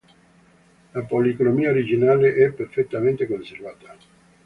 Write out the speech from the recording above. La policromia originale è perfettamente conservata.